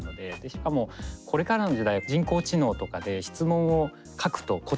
しかもこれからの時代人工知能とかで質問を書くと答えてくれる。